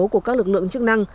của các lực lượng chức năng